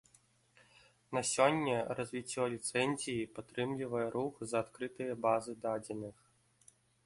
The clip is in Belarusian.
На сёння развіццё ліцэнзіі падтрымлівае рух за адкрытыя базы дадзеных.